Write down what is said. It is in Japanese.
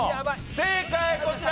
正解こちら！